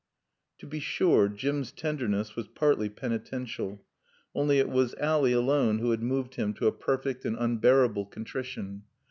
To be sure Jim's tenderness was partly penitential. Only it was Ally alone who had moved him to a perfect and unbearable contrition.